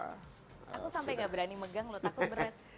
aku sampai gak berani megang loh takut berat